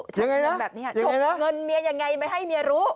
ชกเงินเมียอย่างไงไม่ให้เมียรู้